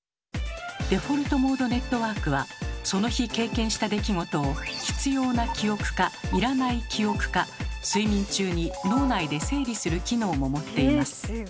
デフォルトモードネットワークはその日経験した出来事を「必要な記憶」か「要らない記憶」か睡眠中に脳内で整理する機能も持っています。